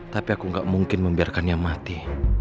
tapi aku gak mungkin membiarkannya mati